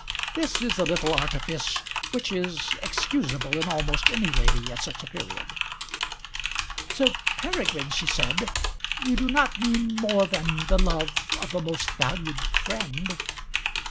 This is a little artifice which is excusable in almost any lady at such a period. "Sir Peregrine," she said, "you do not mean more than the love of a most valued friend?"